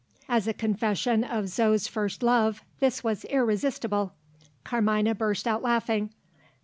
As a confession of Zo's first love, this was irresistible. Carmina burst out laughing.